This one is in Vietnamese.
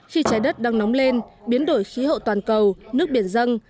khi trái đất đang nóng lên biến đổi khí hậu toàn cầu nước biển dân